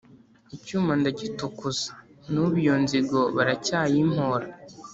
icyuma ndagitukuza n'ubu iyo nzigo baracyayimpora